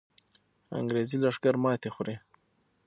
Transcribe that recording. انګریزي لښکر ماتې خوري.